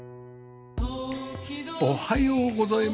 おはようございます。